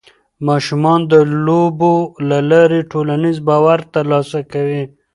ماشومان د لوبو له لارې ټولنیز باور ترلاسه کوي.